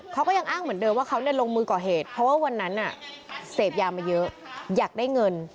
เขาก็ยังอ้างเหมือนเดิมว่าเขาลงมือก่อเหตุเพราะว่าวันนั้นเสพยามาเยอะอยากได้เงิน